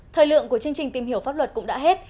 thời lượng của chương trình tìm hiểu pháp luật cũng đã hết